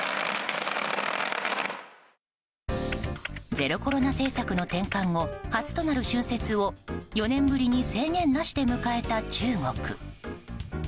ゼロコロナ政策の転換後初となる春節を４年ぶりに制限なしで迎えた中国。